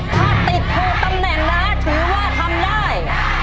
ถ้าติดถูกตำแหน่งนะถือว่าทำได้